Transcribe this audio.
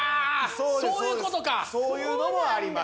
そうですそういうのもあります